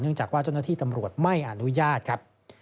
เนื่องจากว่าจุดโน้ทที่ตำรวจไม่อนุญาตครับ